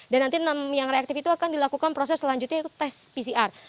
dan nanti enam yang reaktif itu akan dilakukan proses selanjutnya yaitu tes pcr